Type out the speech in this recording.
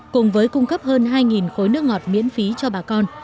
cùng với cung cấp hơn hai khối nước ngọt miễn phí cho bà con